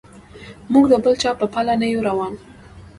موږ د بل چا په پله نه یو روان.